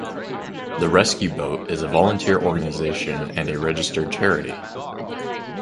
The Rescue Boat is a Volunteer Organisation and a Registered Charity.